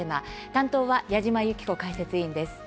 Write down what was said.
担当は矢島ゆき子解説委員です。